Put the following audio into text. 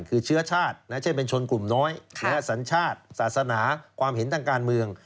คือเชื้อชาติเช่นเป็นชนกลุ่มน้อยสัญชาติศาสนาความเห็นทางการเมือง